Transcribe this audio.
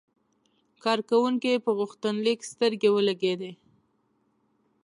کارکونکي په غوښتنلیک سترګې ولګېدې.